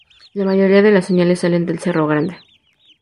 La mayoría de las señales salen del Cerro Grande.